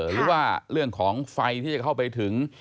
หรือว่าเรื่องของไฟที่จะเข้าไปถึง